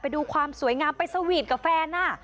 ดูความสวยงามไปสวีทกับแฟน